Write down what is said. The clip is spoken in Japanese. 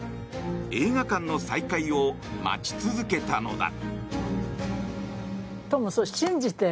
映画館の再開を待ち続けたのだ。